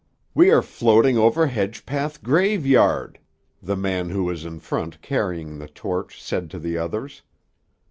"We are floating over Hedgepath graveyard," the man who was in front carrying the torch said to the others.